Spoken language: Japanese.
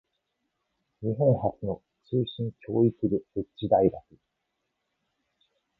日本初の通信教育部設置大学